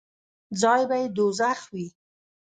ځای به یې دوږخ وي.